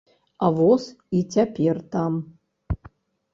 А воз і цяпер там.